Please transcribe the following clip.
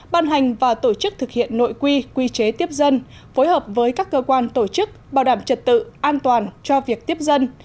ban hành và tổ chức thực hiện nội quy quy chế tiếp dân phối hợp với các cơ quan tổ chức bảo đảm trật tự an toàn cho việc tiếp dân